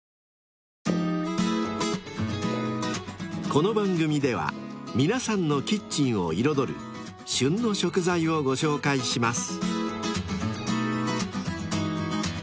［この番組では皆さんのキッチンを彩る「旬の食材」をご紹介します］